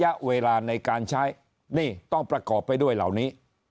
ระยะเวลาในการใช้นี่ต้องประกอบไปด้วยเหล่านี้